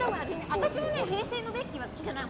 私も平成のベッキーは好きじゃない。